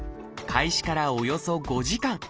開始からおよそ５時間